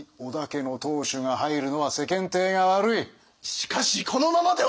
しかしこのままでは！